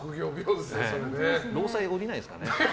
労災下りないですかね。